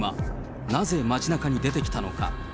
なぜ街なかに出てきたのか。